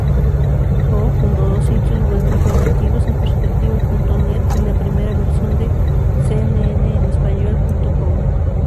Co-fundó los sitios web informativos enperspectiva.net y la primera versión de cnnenespañol.com.